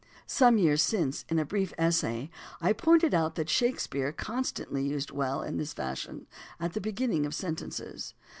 Some years since, in a brief essay, I pointed out that Shakespeare con stantly used "well" in this fashion at the beginning of sentences.